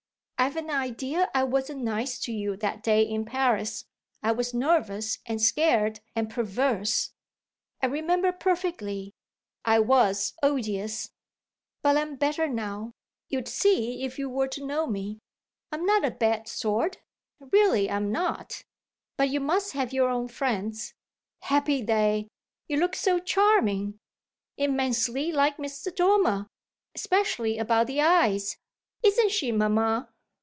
I've an idea I wasn't nice to you that day in Paris I was nervous and scared and perverse. I remember perfectly; I was odious. But I'm better now you'd see if you were to know me. I'm not a bad sort really I'm not. But you must have your own friends. Happy they you look so charming! Immensely like Mr. Dormer, especially about the eyes; isn't she, mamma?"